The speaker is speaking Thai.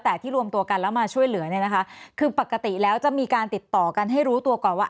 แต่ที่รวมตัวกันแล้วมาช่วยเหลือเนี่ยนะคะคือปกติแล้วจะมีการติดต่อกันให้รู้ตัวก่อนว่า